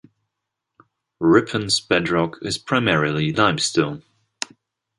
Ripon's bedrock is primarily limestone.